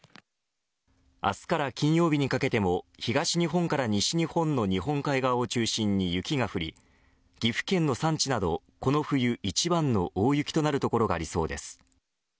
明日から金曜日にかけても東日本から西日本の日本海側を中心に雪が降り岐阜県の山地などこの冬一番の大雪となる所がありそうです。